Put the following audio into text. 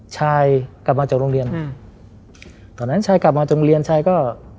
ชายกลับมาจากโรงเรียนอ่าตอนนั้นชายกลับมาจากโรงเรียนชายก็